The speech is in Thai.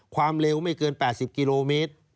ความเร็วไม่เกิน๘๐กิโลเมตร